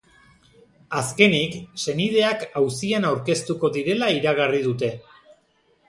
Azkenik, senideak auzian aurkeztuko direla iragarri dute.